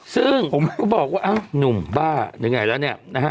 ซึ่งผมก็บอกว่าอ้าวหนุ่มบ้ายังไงแล้วเนี่ยนะฮะ